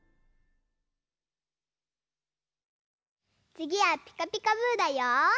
つぎは「ピカピカブ！」だよ。